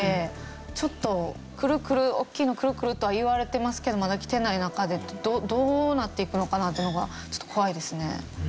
ちょっと来る来る大きいの来る来るとは言われてますけどまだ来てない中でどうなっていくのかなっていうのがちょっと怖いですね。